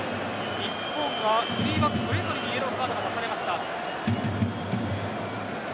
日本は３バックそれぞれにイエローカードが出されました。